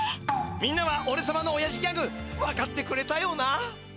みんなはおれさまのおやじギャグ分かってくれたよな！？